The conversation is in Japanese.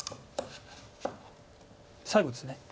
最後ですね。